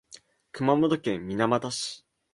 熊本県水俣市